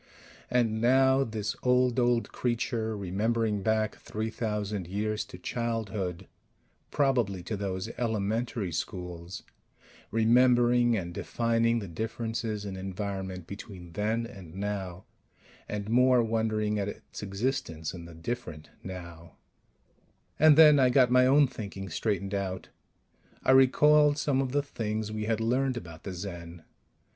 And now this old, old creature, remembering back three thousand years to childhood probably to those "elementary schools" remembering, and defining the differences in environment between then and now; and more, wondering at its existence in the different now And then I got my own thinking straightened out. I recalled some of the things we had learned about the Zen.